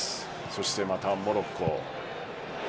そしてまたモロッコ。